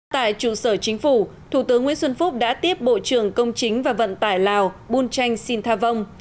tại trụ sở chính phủ thủ tướng nguyễn xuân phúc đã tiếp bộ trưởng công chính và vận tải lào bun chanh sin tha vong